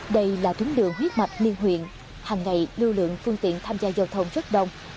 đây là tuyến đường huyết mạch liên huyện hàng ngày lưu lượng phương tiện tham gia giao thông rất đông